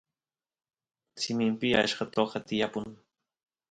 simimpi achka toqa tiyapun